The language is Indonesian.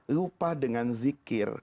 lupa dengan zikir